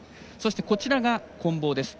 こちらが、こん棒です。